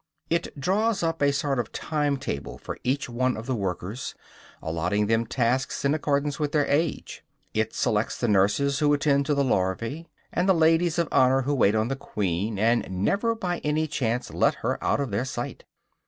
It draws up a sort of time table for each one of the workers, allotting them tasks in accordance with their age; it selects the nurses who attend to the larvæ, and the ladies of honor who wait on the queen and never by any chance let her out of their sight.